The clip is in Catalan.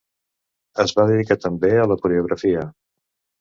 Es va dedicar també a la coreografia.